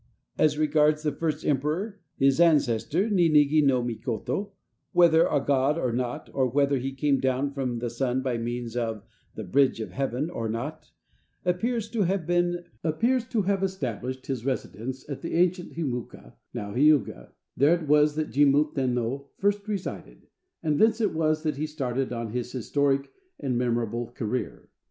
As regards the first emperor, his ancestor Ninigi no Mikoto whether a god or not, or whether he came down from the sun by means of "the bridge of heaven" or not appears to have established his residence at the ancient Himuka, now Hiuga; there it was that Jimmu Tenno first resided, and thence it was that he started on his historic and memorable career.